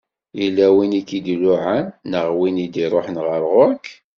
Yella win i k-id-iluɛan, neɣ win i d-iruḥen ɣer ɣur-k?